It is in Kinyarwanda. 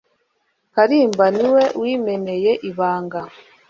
karimba niwe wimeneye ibanga